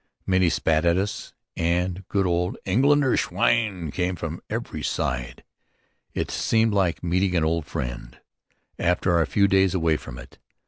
Many spat at us and good old Engländer Schwein came to us from every side. It seemed like meeting an old friend, after our few days away from it.